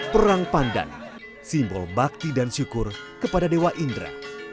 perang pandan simbol bakti dan syukur kepada dewa indra